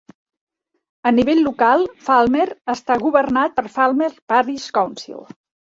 A nivell local, Falmer està governat pel Falmer Parish Council.